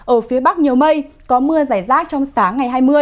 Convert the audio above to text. ở phía bắc nhiều mây có mưa rải rác trong sáng ngày hai mươi